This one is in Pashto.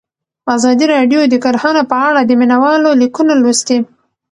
ازادي راډیو د کرهنه په اړه د مینه والو لیکونه لوستي.